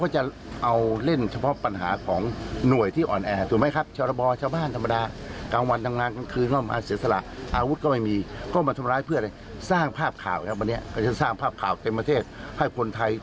แม่ทัพภาคที่๔บอกนะคะว่าหลังจากนี้ไปเจ้าหน้าที่เองก็ต้องปรับแผนพอสมควรเลยค่ะ